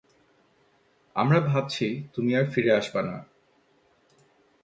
আমরা ভাবছি তুমি আর ফিরে আসবা না।